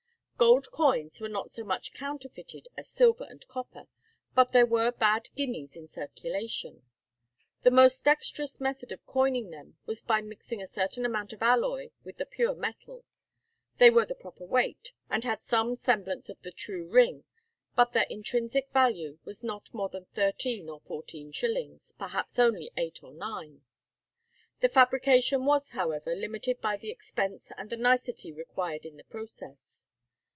Gold coins were not so much counterfeited as silver and copper, but there were bad guineas in circulation. The most dexterous method of coining them was by mixing a certain amount of alloy with the pure metal. They were the proper weight, and had some semblance of the true ring, but their intrinsic value was not more than thirteen or fourteen shillings, perhaps only eight or nine. The fabrication was, however, limited by the expense and the nicety required in the process.